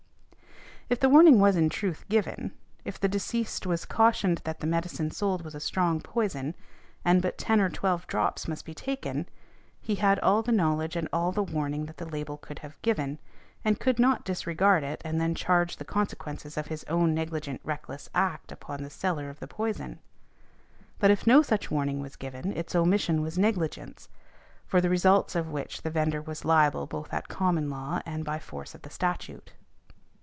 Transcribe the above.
If the warning was in truth given, if the deceased was cautioned that the medicine sold was a strong poison, and but ten or twelve drops must be taken, he had all the knowledge and all the warning that the label could have given, and could not disregard it and then charge the consequences of his own negligent reckless act upon the seller of the poison. But if no such warning was given, its omission was negligence, for the results of which the vendor was liable both at common law and by force of the statute."